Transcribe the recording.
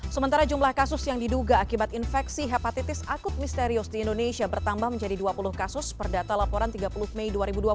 sementara jumlah kasus yang diduga akibat infeksi hepatitis akut misterius di indonesia bertambah menjadi dua puluh kasus per data laporan tiga puluh mei dua ribu dua puluh